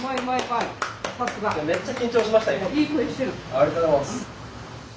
ありがとうございます。